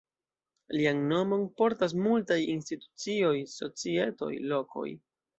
Lian nomon portas multaj institucioj, societoj, lokoj.